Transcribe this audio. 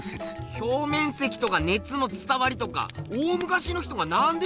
表面積とか熱の伝わりとか大むかしの人がなんで知ってんだよ？